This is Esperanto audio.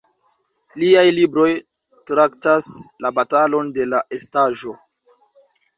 Liaj libroj traktas la "batalon de la estaĵo".